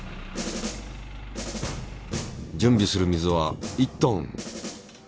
準備する水は１ｔ。